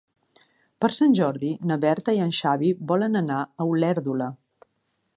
Per Sant Jordi na Berta i en Xavi volen anar a Olèrdola.